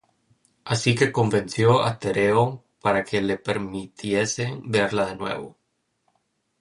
Así que convenció a Tereo para que le permitiese verla de nuevo.